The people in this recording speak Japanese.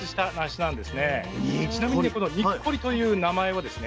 ちなみにこの「にっこり」という名前はですね